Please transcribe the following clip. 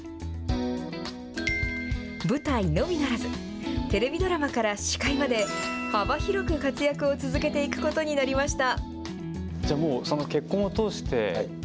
舞台のみならず、テレビドラマから司会まで、幅広く活躍を続けていくことになりました。